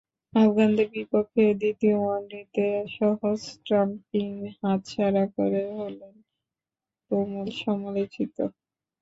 আফগানদের বিপক্ষে দ্বিতীয় ওয়ানডেতে সহজ স্টাম্পিং হাতছাড়া করে হলেন তুমুল সমালোচিত।